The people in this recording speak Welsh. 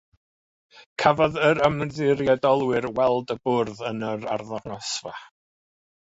Cafodd yr ymddiriedolwyr weld y bwrdd yn yr arddangosfa.